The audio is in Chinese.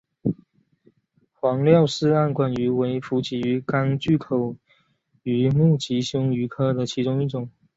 皇穆氏暗光鱼为辐鳍鱼纲巨口鱼目褶胸鱼科的其中一种。